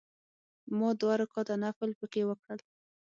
ما دوه رکعته نفل په کې وکړل.